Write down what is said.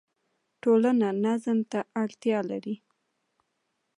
ټولنه نظم ته اړتیا لري.